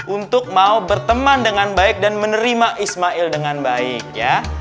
untuk mau berteman dengan baik dan menerima ismail dengan baik ya